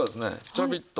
ちょびっと。